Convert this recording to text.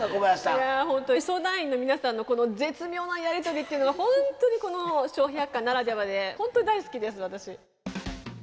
いやほんとに相談員の皆さんのこの絶妙なやり取りっていうのがほんとにこの「笑百科」ならではでほんとに大好きです私。